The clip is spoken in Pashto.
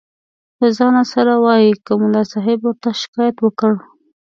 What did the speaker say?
له ځانه سره وایي که ملا صاحب ورته شکایت وکړ.